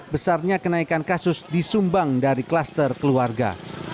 besarnya kenaikan kasus disumbang dari kluster keluarga